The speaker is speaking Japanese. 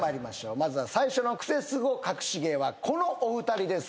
まず最初のクセスゴかくし芸はこのお二人です。